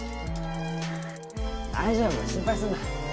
大丈夫心配すんな。